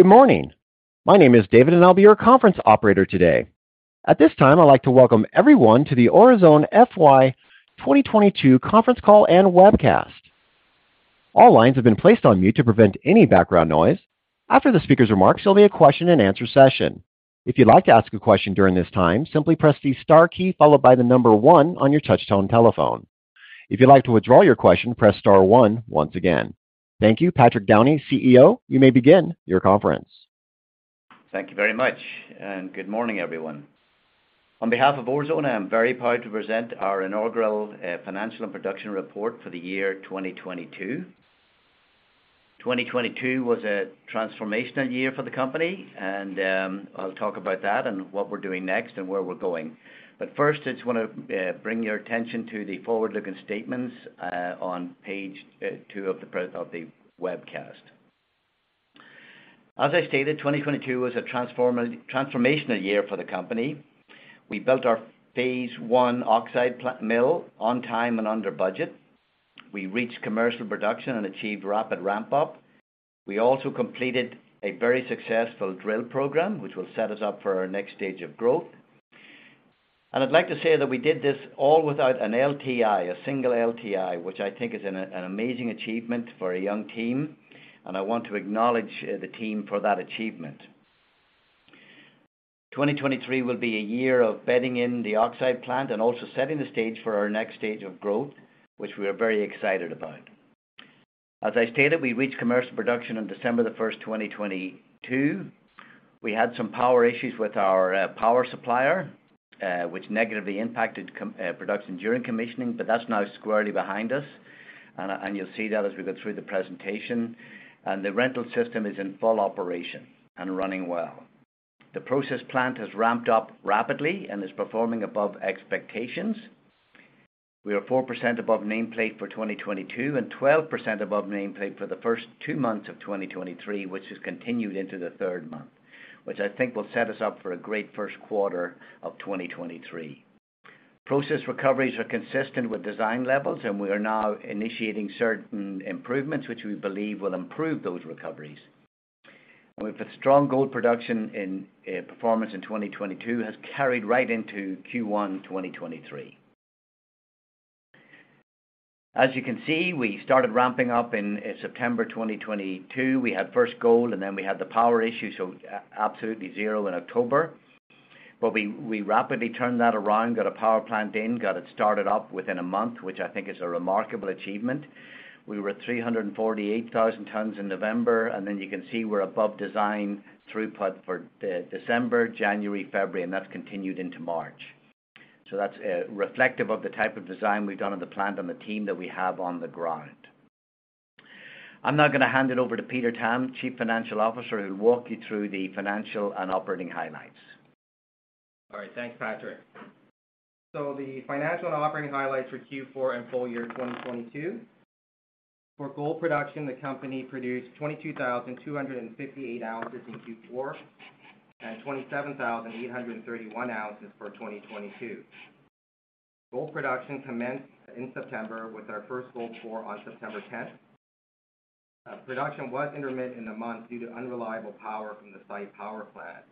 Good morning. My name is David, and I'll be your conference operator today. At this time, I'd like to welcome everyone to the Orezone FY 2022 conference call and webcast. All lines have been placed on mute to prevent any background noise. After the speaker's remarks, there'll be a question and answer session. If you'd like to ask a question during this time, simply press the star key followed by the number 1 on your touch tone telephone. If you'd like to withdraw your question, press star one once again. Thank you. Patrick Downey, CEO, you may begin your conference. Thank you very much. Good morning, everyone. On behalf of Orezone, I am very proud to present our inaugural financial and production report for the year 2022. 2022 was a transformational year for the company and I'll talk about that and what we're doing next and where we're going. First, I just wanna bring your attention to the forward-looking statements on page two of the webcast. As I stated, 2022 was a transformational year for the company. We built our phase one oxide mill on time and under budget. We reached commercial production and achieved rapid ramp-up. We also completed a very successful drill program which will set us up for our next stage of growth. I'd like to say that we did this all without an LTI, a single LTI, which I think is an amazing achievement for a young team, and I want to acknowledge the team for that achievement. 2023 will be a year of bedding in the oxide plant and also setting the stage for our next stage of growth, which we are very excited about. As I stated, we reached commercial production on December 1st, 2022. We had some power issues with our power supplier, which negatively impacted production during commissioning, but that's now squarely behind us and you'll see that as we go through the presentation. The rental system is in full operation and running well. The process plant has ramped up rapidly and is performing above expectations. We are 4% above nameplate for 2022 and 12% above nameplate for the first two months of 2023, which has continued into the third month, which I think will set us up for a great Q1 of 2023. Process recoveries are consistent with design levels, we are now initiating certain improvements which we believe will improve those recoveries. With a strong gold production performance in 2022 has carried right into Q1 2023. As you can see, we started ramping up in September 2022. We had first gold, and then we had the power issue, so absolutely zero in October. We rapidly turned that around, got a power plant in, got it started up within a month, which I think is a remarkable achievement. We were at 348,000 tons in November, and then you can see we're above design throughput for the December, January, February, and that's continued into March. That's reflective of the type of design we've done on the plant and the team that we have on the ground. I'm now gonna hand it over to Peter Tam, Chief Financial Officer, who'll walk you through the financial and operating highlights. All right. Thanks, Patrick. The financial and operating highlights for Q4 and full year 2022. For gold production, the company produced 22,258 ounces in Q4 and 27,831 ounces for 2022. Gold production commenced in September with our first gold pour on September tenth. Production was intermittent in the months due to unreliable power from the site power plant.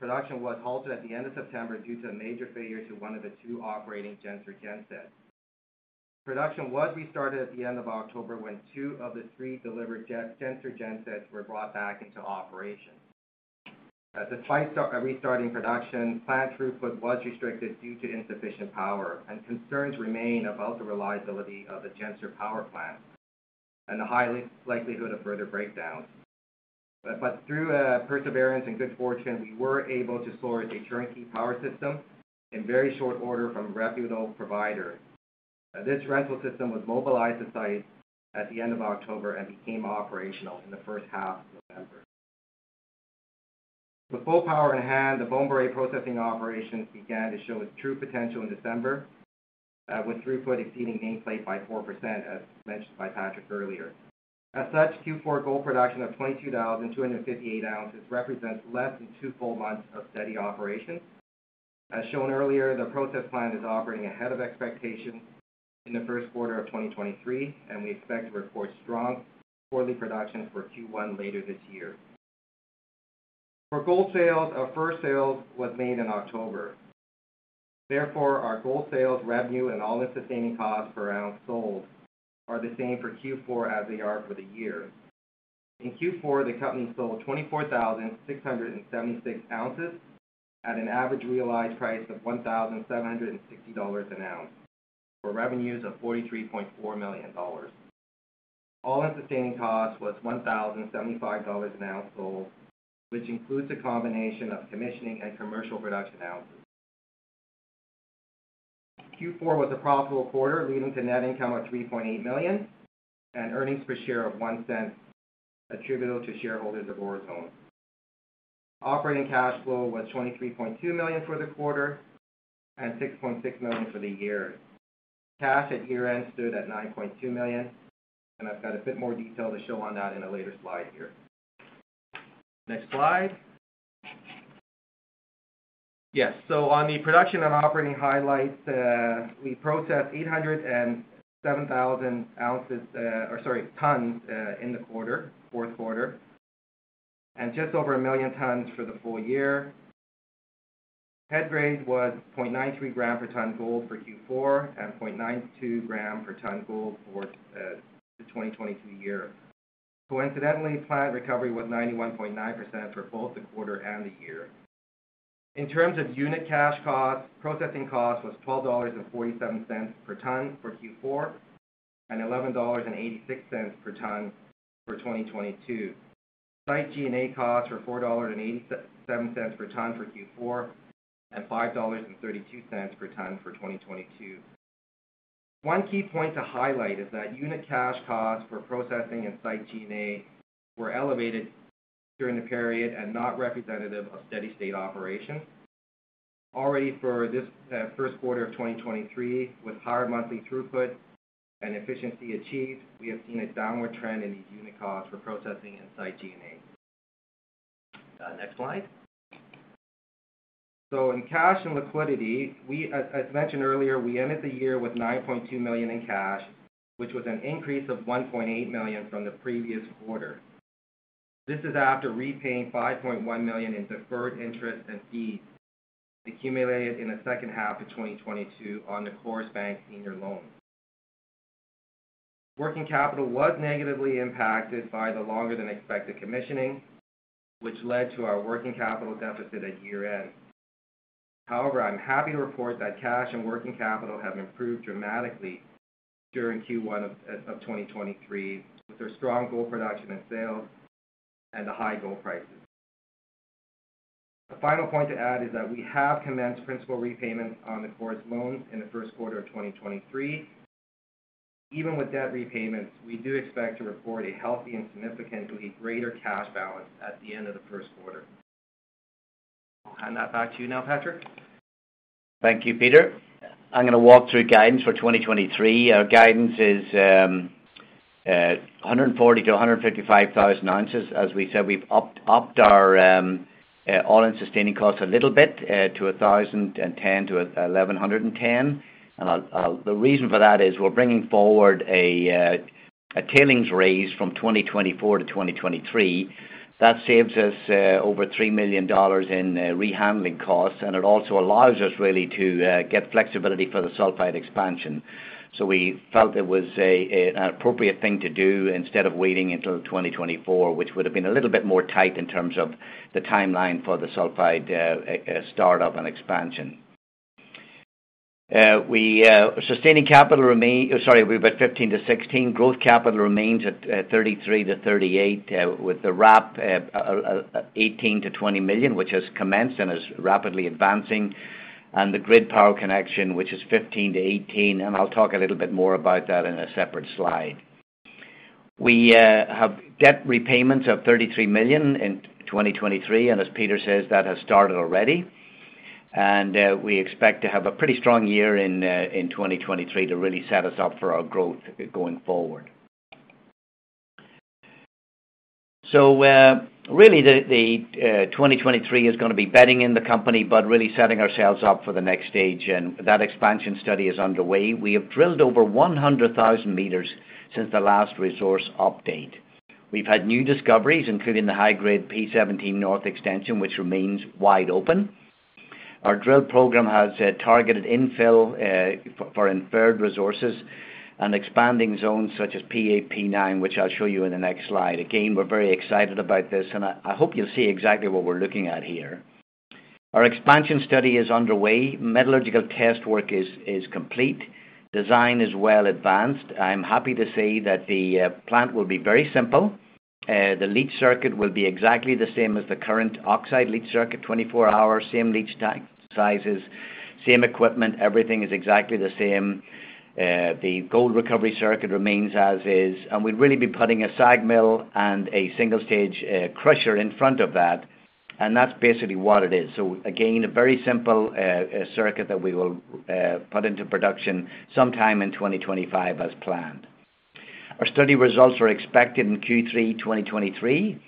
Production was halted at the end of September due to a major failure to one of the two operating Gensur gensets. Production was restarted at the end of October when two of the three delivered Gensur gensets were brought back into operation. As the site restarting production, plant throughput was restricted due to insufficient power, and concerns remain about the reliability of the Gensur power plant and the likelihood of further breakdowns. Through perseverance and good fortune, we were able to source a turnkey power system in very short order from reputable provider. This rental system was mobilized to site at the end of October and became operational in the first half of November. With full power in hand, the Bomboré processing operations began to show its true potential in December, with throughput exceeding nameplate by 4%, as mentioned by Patrick earlier. Q4 gold production of 22,258 ounces represents less than two full months of steady operation. The process plant is operating ahead of expectations in the Q1 of 2023, and we expect to report strong quarterly production for Q1 later this year. For gold sales, our first sales was made in October. Our gold sales revenue and all-in sustaining costs per ounce sold are the same for Q4 as they are for the year. In Q4, the company sold 24,676 ounces at an average realized price of $1,760 an ounce for revenues of $43.4 million. All-in sustaining cost was $1,075 an ounce sold, which includes a combination of commissioning and commercial production ounces. Q4 was a profitable quarter, leading to net income of $3.8 million and earnings per share of $0.01 attributable to shareholders of Orezone. Operating cash flow was $23.2 million for the quarter and $6.6 million for the year. Cash at year-end stood at $9.2 million, I've got a bit more detail to show on that in a later slide here. Next slide. Yes. On the production and operating highlights, we processed 807,000 ounces, or sorry, tons, in the quarter, Q4, and just over 1 million tons for the full year. Headgrade was 0.93 gram per ton gold for Q4 and 0.92 gram per ton gold for the 2022 year. Coincidentally, plant recovery was 91.9% for both the quarter and the year. In terms of unit cash cost, processing cost was $12.47 per ton for Q4 and $11.86 per ton for 2022. Site G&A costs were $4.87 per ton for Q4 and $5.32 per ton for 2022. One key point to highlight is that unit cash costs for processing and site G&A were elevated during the period and not representative of steady state operation. Already for this Q1 of 2023, with higher monthly throughput and efficiency achieved, we have seen a downward trend in these unit costs for processing and site G&A. Next slide. In cash and liquidity, we, as mentioned earlier, we ended the year with $9.2 million in cash, which was an increase of $1.8 million from the previous quarter. This is after repaying $5.1 million in deferred interest and fees accumulated in the second half of 2022 on the Coris Bank senior loan. Working capital was negatively impacted by the longer than expected commissioning, which led to our working capital deficit at year-end. I'm happy to report that cash and working capital have improved dramatically during Q1 of 2023 with our strong gold production and sales and the high gold prices. The final point to add is that we have commenced principal repayments on the Coris loan in the Q1 of 2023. Even with debt repayments, we do expect to report a healthy and significantly greater cash balance at the end of the Q1. I'll hand that back to you now, Patrick. Thank you, Peter. I'm gonna walk through guidance for 2023. Our guidance is 140,000-155,000 ounces. As we said, we've upped our all-in sustaining cost a little bit to $1,010-$1,110. The reason for that is we're bringing forward a tailings raise from 2024 to 2023. That saves us over $3 million in rehandling costs, and it also allows us really to get flexibility for the sulfide expansion. We felt it was an appropriate thing to do instead of waiting until 2024, which would've been a little bit more tight in terms of the timeline for the sulfide start up and expansion. We sustaining capital remain... Sorry, we've got 15-16. Growth capital remains at 33-38, with the RAP at a $18 million-$20 million, which has commenced and is rapidly advancing. The grid power connection, which is $15 million-$18 million, and I'll talk a little bit more about that in a separate slide. We have debt repayments of $33 million in 2023, as Peter says, that has started already. We expect to have a pretty strong year in 2023 to really set us up for our growth going forward. Really the 2023 is gonna be bedding in the company, but really setting ourselves up for the next stage. That expansion study is underway. We have drilled over 100,000 meters since the last resource update. We've had new discoveries, including the high-grade P17 North extension, which remains wide open. Our drill program has a targeted infill for inferred resources and expanding zones such as P8P9, which I'll show you in the next slide. We're very excited about this, and I hope you'll see exactly what we're looking at here. Our expansion study is underway. Metallurgical test work is complete. Design is well advanced. I'm happy to say that the plant will be very simple. The leach circuit will be exactly the same as the current oxide leach circuit, 24 hour, same leach sizes, same equipment, everything is exactly the same. The gold recovery circuit remains as is, and we'd really be putting a SAG mill and a single stage crusher in front of that, and that's basically what it is. Again, a very simple circuit that we will put into production sometime in 2025 as planned. Our study results are expected in Q3 2023.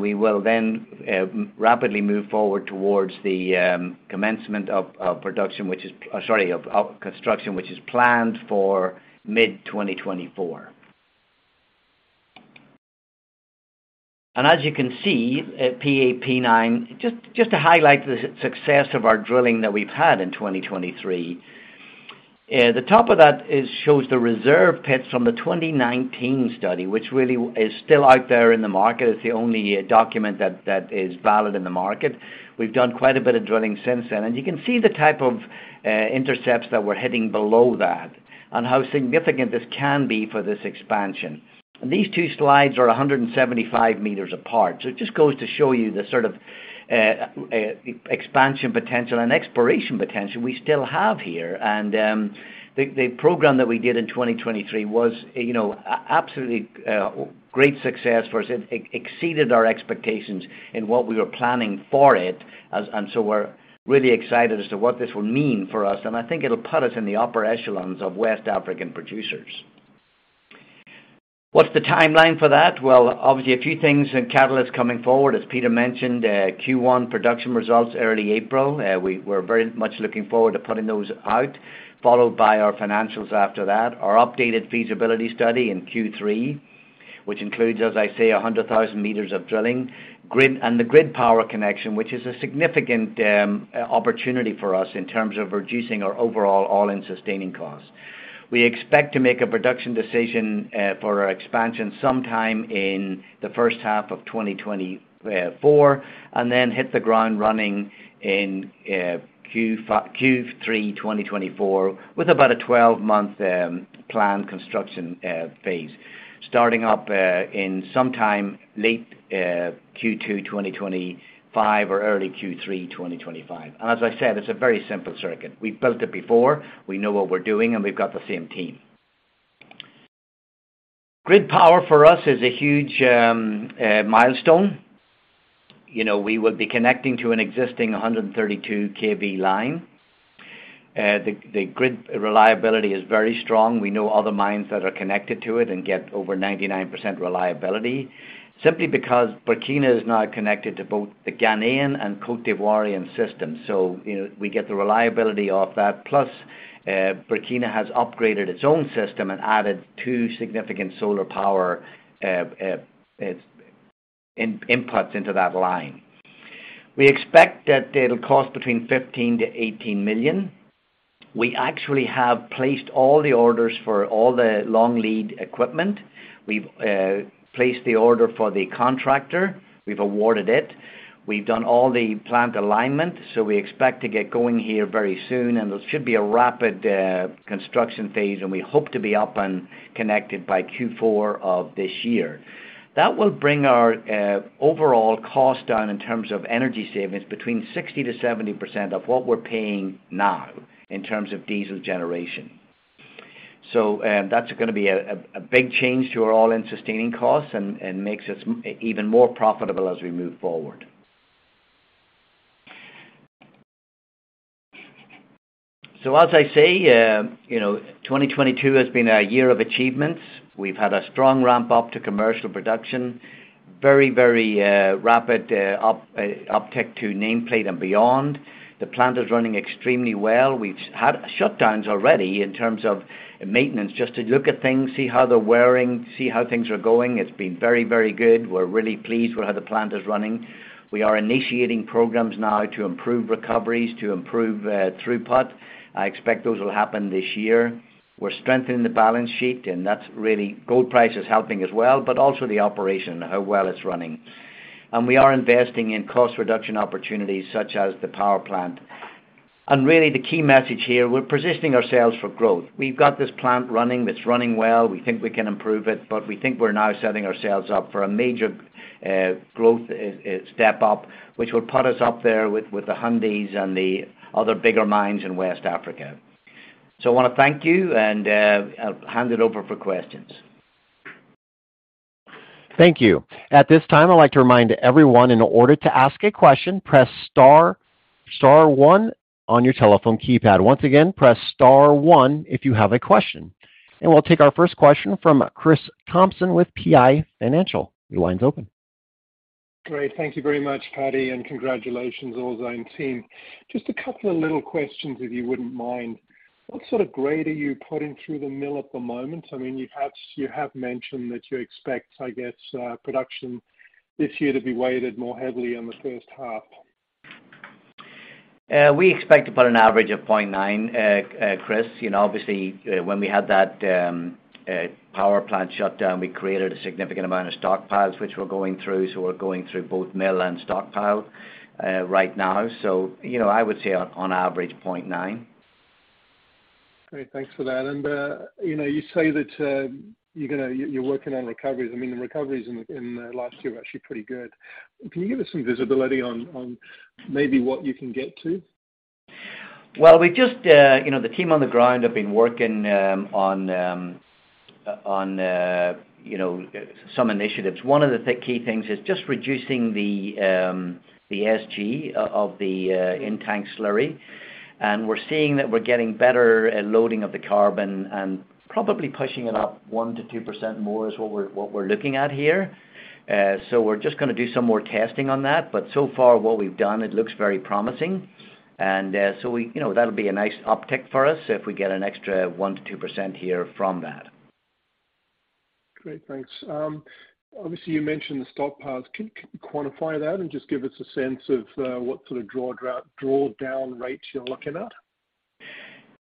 We will then rapidly move forward towards the commencement of construction, which is planned for mid-2024. As you can see at P8P9, just to highlight the success of our drilling that we've had in 2023, the top of that is shows the reserve pits from the 2019 study, which really is still out there in the market. It's the only document that is valid in the market. We've done quite a bit of drilling since then. You can see the type of intercepts that we're hitting below that and how significant this can be for this expansion. These two slides are 175 meters apart, so it just goes to show you the sort of expansion potential and exploration potential we still have here. The program that we did in 2023 was, you know, absolutely great success for us. It exceeded our expectations in what we were planning for it, and so we're really excited as to what this will mean for us. I think it'll put us in the upper echelons of West African producers. What's the timeline for that? Obviously a few things and catalysts coming forward, as Peter mentioned, Q1 production results early April. We're very much looking forward to putting those out, followed by our financials after that. Our updated feasibility study in Q3, which includes, as I say, 100,000 meters of drilling. Grid... The grid power connection, which is a significant opportunity for us in terms of reducing our overall all-in sustaining cost. We expect to make a production decision for our expansion sometime in the first half of 2024, and then hit the ground running in Q3 2024 with about a 12-month planned construction phase. Starting up in sometime late Q2 2025 or early Q3 2025. As I said, it's a very simple circuit. We've built it before, we know what we're doing, and we've got the same team. Grid power for us is a huge milestone. You know, we would be connecting to an existing 132 KV line. The grid reliability is very strong. We know other mines that are connected to it and get over 99% reliability. Simply because Burkina is now connected to both the Ghanaian and Cote d'Ivoire system. You know, we get the reliability of that. Plus, Burkina has upgraded its own system and added 2 significant solar power in-inputs into that line. We expect that it'll cost between $15 million-$18 million. We actually have placed all the orders for all the long lead equipment. We've placed the order for the contractor, we've awarded it. We've done all the plant alignment, we expect to get going here very soon. It should be a rapid construction phase, and we hope to be up and connected by Q4 of this year. That will bring our overall cost down in terms of energy savings between 60%-70% of what we're paying now in terms of diesel generation. That's gonna be a big change to our all-in sustaining costs and makes us even more profitable as we move forward. As I say, you know, 2022 has been our year of achievements. We've had a strong ramp up to commercial production. Very rapid uptick to nameplate and beyond. The plant is running extremely well. We've had shutdowns already in terms of maintenance just to look at things, see how they're wearing, see how things are going. It's been very, very good. We're really pleased with how the plant is running. We are initiating programs now to improve recoveries, to improve throughput. I expect those will happen this year. We're strengthening the balance sheet. Gold price is helping as well, but also the operation, how well it's running. We are investing in cost reduction opportunities such as the power plant. Really, the key message here, we're positioning ourselves for growth. We've got this plant running, it's running well. We think we can improve it, but we think we're now setting ourselves up for a major growth step up, which will put us up there with the Houndé and the other bigger mines in West Africa. I wanna thank you, and I'll hand it over for questions. Thank you. At this time, I'd like to remind everyone, in order to ask a question, press star one on your telephone keypad. Once again, press star one if you have a question. We'll take our first question from Chris Thompson with PI Financial. Your line's open. Great. Thank you very much, Paddy, congratulations, Orezone team. Just a couple of little questions, if you wouldn't mind. What sort of grade are you putting through the mill at the moment? I mean, you have mentioned that you expect, I guess, production this year to be weighted more heavily in the first half. We expect to put an average of 0.9, Chris. You know, obviously, when we had that power plant shut down, we created a significant amount of stockpiles, which we're going through. We're going through both mill and stockpile, right now. You know, I would say on average, 0.9. Great. Thanks for that. You know, you say that you're working on recoveries. I mean, the recoveries in the last two are actually pretty good. Can you give us some visibility on maybe what you can get to? Well, we just, you know, the team on the ground have been working on, you know, some initiatives. One of the key things is just reducing the SG of the in-tank slurry. We're seeing that we're getting better at loading of the carbon and probably pushing it up 1%-2% more is what we're looking at here. We're just gonna do some more testing on that. So far, what we've done, it looks very promising. We, you know, that'll be a nice uptick for us if we get an extra 1%-2% here from that. Great. Thanks. Obviously, you mentioned the stockpiles. Can you quantify that and just give us a sense of, what sort of draw down rates you're looking at?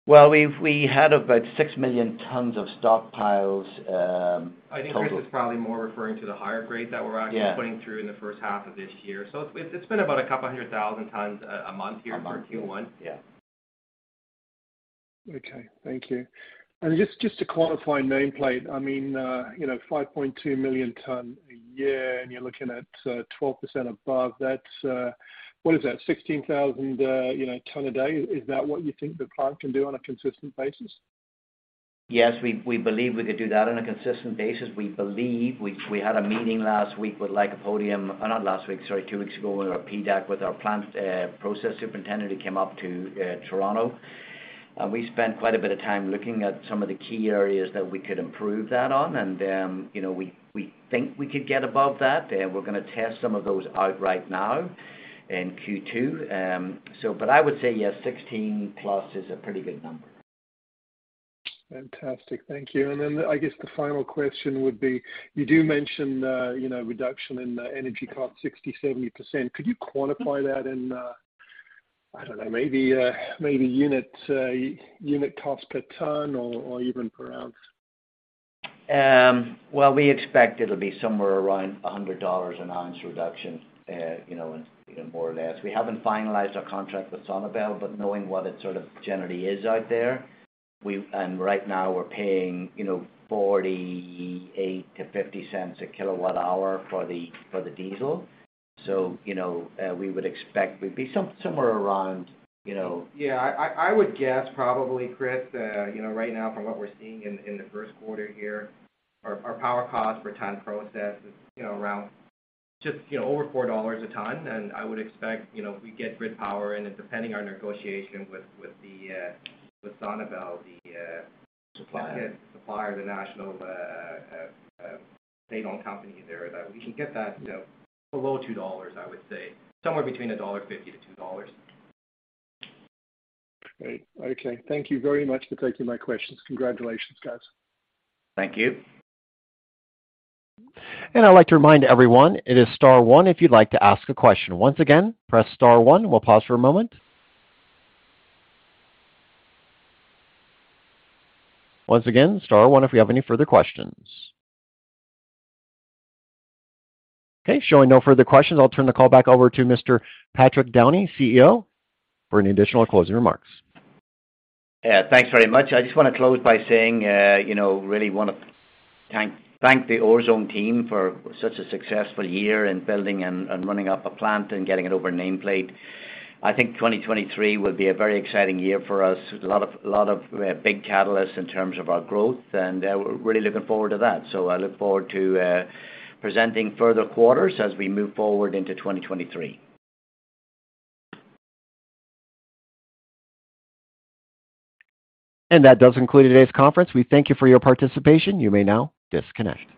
Well, we had about 6 million tons of stockpiles. I think Chris is probably more referring to the higher grade that we're actually. Yeah... putting through in the first half of this year. It's been about a couple 100,000 tons a month here. A month.... for Q1. Yeah. Okay. Thank you. Just to quantify nameplate, I mean, you know, 5.2 million ton a year, you're looking at 12% above, that's... What is that? 16,000, you know, ton a day. Is that what you think the plant can do on a consistent basis? Yes. We believe we could do that on a consistent basis. We had a meeting last week with Lycopodium, not last week, sorry, two weeks ago with our PDAC, with our plant process superintendent who came up to Toronto. We spent quite a bit of time looking at some of the key areas that we could improve that on. You know, we think we could get above that. We're gonna test some of those out right now in Q2. I would say, yes, 16 plus is a pretty good number. Fantastic. Thank you. Then I guess the final question would be, you do mention, you know, reduction in energy costs 60%-70%. Could you quantify that in, I don't know, maybe unit cost per ton or even per ounce? Well, we expect it'll be somewhere around $100 an ounce reduction, you know, more or less. We haven't finalized our contract with SONABEL. Knowing what it sort of generally is out there, right now we're paying, you know, $0.48-$0.50 a kilowatt hour for the, for the diesel. You know, we would expect would be somewhere around, you know. Yeah. I would guess probably, Chris, you know, right now from what we're seeing in the Q1 here, our power cost per ton process is, you know, around just, you know, over $4 a ton. I would expect, you know, if we get grid power and depending on negotiation with SONABEL, Supplier... yeah, supplier, the national, state-owned company there, that we can get that, you know, below $2, I would say. Somewhere between $1.50-$2. Great. Okay. Thank you very much for taking my questions. Congratulations, guys. Thank you. I'd like to remind everyone, it is star one if you'd like to ask a question. Once again, press star one. We'll pause for a moment. Once again, star one if we have any further questions. Okay, showing no further questions, I'll turn the call back over to Mr. Patrick Downey, CEO, for any additional closing remarks. Thanks very much. I just want to close by saying, you know, really wanna thank the Orezone team for such a successful year in building and running up a plant and getting it over nameplate. I think 2023 will be a very exciting year for us. There's a lot of big catalysts in terms of our growth, and we're really looking forward to that. I look forward to presenting further quarters as we move forward into 2023. That does conclude today's conference. We thank you for your participation. You may now disconnect.